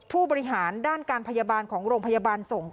ผู้บริหารด้านการพยาบาลของโรงพยาบาลส่ง